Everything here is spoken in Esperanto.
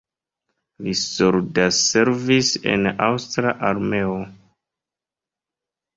Li soldatservis en aŭstra armeo.